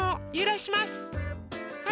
はい。